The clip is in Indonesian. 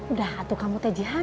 udah hatu kamu tejihan